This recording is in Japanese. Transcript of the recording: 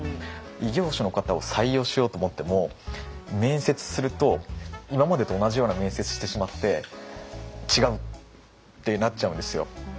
異業種の方を採用しようと思っても面接すると今までと同じような面接してしまって違うってなっちゃうんですよ。